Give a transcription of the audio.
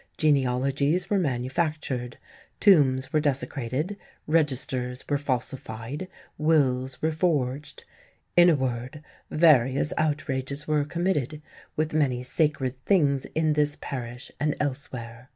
Genealogies were manufactured, tombs were desecrated, registers were falsified, wills were forged in a word, various outrages were committed, with many sacred things in this parish and elsewhere.